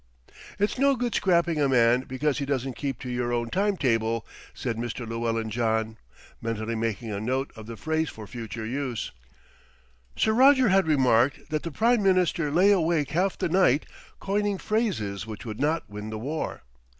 "It's no good scrapping a man because he doesn't keep to your own time table," said Mr. Llewellyn John, mentally making a note of the phrase for future use. Sir Roger had remarked that the Prime Minister lay awake half the night coining phrases which would not win the war.